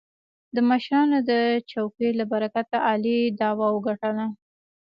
د مشرانو د چوکې له برکته علي دعوه وګټله.